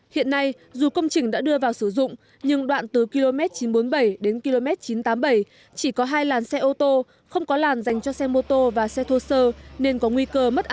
hiện nay dù công trình đã đưa vào sử dụng các dự án bot nhưng các nhà đầu tư đã tháo rỡ các điểm chờ xe buýt dọc tuyến quốc lộ một a